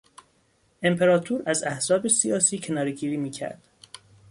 امپراطور از احزاب سیاسی کنارهگیری میکرد.